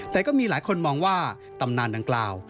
แต่ก็มีหลายคนมองว่าตำนานดังกล่าว